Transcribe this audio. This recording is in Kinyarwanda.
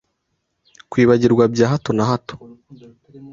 Kwibagirwa bya hato na hato